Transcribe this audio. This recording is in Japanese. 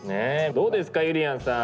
どうですかゆりやんさん。